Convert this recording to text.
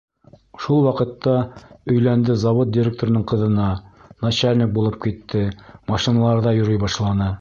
Шул ваҡытта өйләнде завод директорының ҡыҙына, начальник булып китте, машиналарҙа йөрөй башланы.